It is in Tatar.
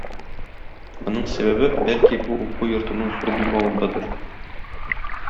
Моның сәбәбе, бәлки, бу уку йортының зур булмавындадыр.